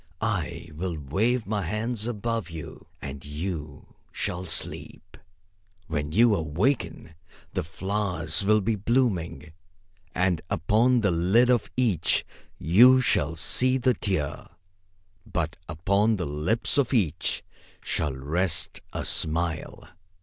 I will wave my hands above you, and you shall sleep. When you awaken the flowers will be blooming; and upon the lid of each you shall see the tear, but upon the lips of each shall rest a smile."